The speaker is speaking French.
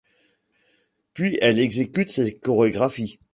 Puis elle exécute ses chorégraphies.